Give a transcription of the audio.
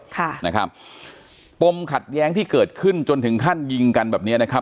ค่ะนะครับปมขัดแย้งที่เกิดขึ้นจนถึงขั้นยิงกันแบบเนี้ยนะครับ